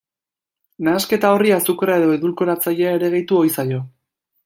Nahasketa horri azukrea edo edulkoratzailea ere gehitu ohi zaio.